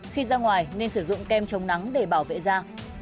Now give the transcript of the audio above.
khi ra ngoài nên sử dụng kem chống nắng để bảo vệ da